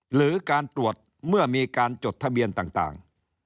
หรือการตรวจเมื่อมีการจดทะเบียนต่าง